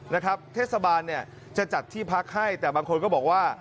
นะครับเทศบาลเนี่ยจะจัดที่พักให้แต่บางคนก็บอกว่า